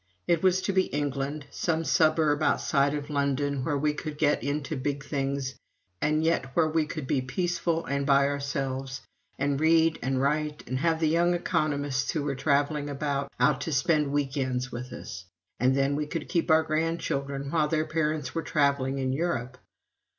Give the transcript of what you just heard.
It was to be England some suburb outside of London, where we could get into big things, and yet where we could be peaceful and by ourselves, and read and write, and have the young economists who were traveling about, out to spend week ends with us; and then we could keep our grandchildren while their parents were traveling in Europe!